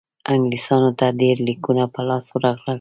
انګلیسیانو ته ډېر لیکونه په لاس ورغلل.